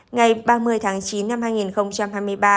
ngày ba mươi tháng chín năm hai nghìn hai mươi ba